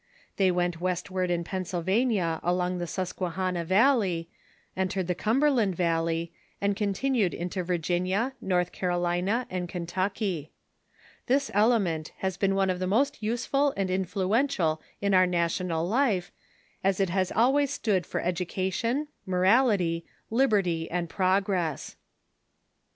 They went westward in Pennsylvania along the Susquehanna valley, entered the Cumberland valley, and continued into Virginia, North Carolina, and Kentucky. This element has been one of the most useful and influential in our national life, as it has always stood for education, mo rality, liberty, and progress.